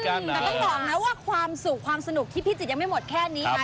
แต่ต้องบอกนะว่าความสุขความสนุกที่พี่จิตยังไม่หมดแค่นี้นะ